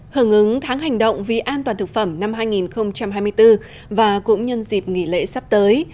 hưởng ứng tháng hành động vì an toàn thực phẩm năm hai nghìn hai mươi bốn và cũng nhân dịp nghỉ lễ sắp tới